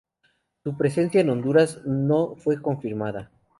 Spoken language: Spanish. Su presencia en Honduras no fue confirmada.